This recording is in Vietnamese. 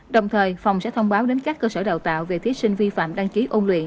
đồng thời phòng sẽ thông báo đến các cơ sở đào tạo về thí sinh vi phạm đăng ký ôn luyện